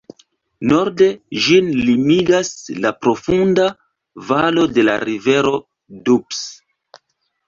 Norde ĝin limigas la profunda valo de la rivero Doubs.